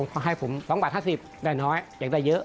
เขาให้ผม๒บาท๕๐ได้น้อยอยากได้เยอะ